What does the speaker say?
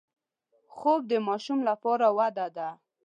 خوب د ماشوم لپاره وده ده